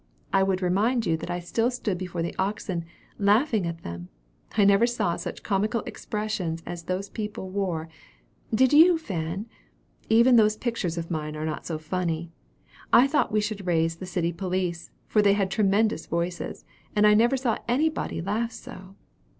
I would remind you that I still stood before the oxen, laughing at them. I never saw such comical expressions as those people wore. Did you, Fanny? Even those pictures of mine are not so funny. I thought we should raise the city police; for they had tremendous voices, and I never saw any body laugh so.